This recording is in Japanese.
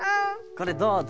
これどうぞ。